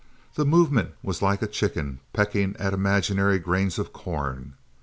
The movement was like a chicken pecking at imaginary grains of corn.